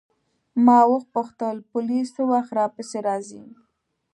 ما وپوښتل پولیس څه وخت راپسې راځي.